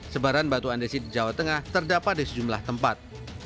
sebaran batu andesit di jawa tengah terdapat di sejumlah tempat